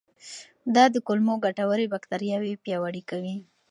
دا د کولمو ګټورې باکتریاوې پیاوړې کوي.